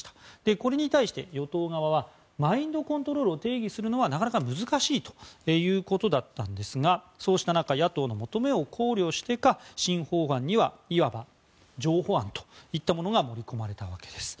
これに対して、与党側はマインドコントロールを定義するのはなかなか難しいということだったんですがそうした中野党の求めを考慮してか新法案にはいわば譲歩案といったものが盛り込まれたんです。